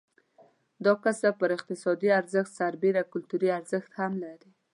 دا کسب پر اقتصادي ارزښت سربېره کلتوري ارزښت هم لري.